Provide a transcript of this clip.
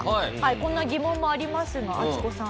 こんな疑問もありますがアキコさん。